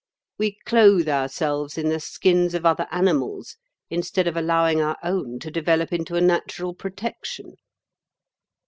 We clothe ourselves in the skins of other animals instead of allowing our own to develop into a natural protection.